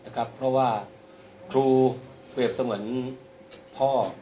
ครับเพราะว่าครูเวียบเสม็นพ่อ